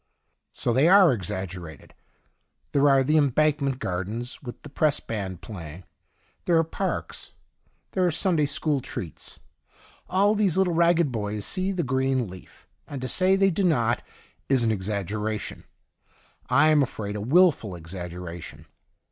So they are exag gerated : there are the Embank ment Gardens with the Press Band playing ; there are parks ; there are Sunday school treats. All these little ragged boys see the green leaf, and to say they do not is an exaggeration — I am afraid a wilful exaggeration.